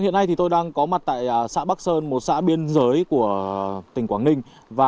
hiện nay tôi đang có mặt tại xã bắc sơn một xã biên giới của tỉnh quảng ninh